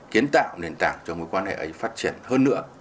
kiến tạo nền tảng cho mối quan hệ ấy phát triển hơn nữa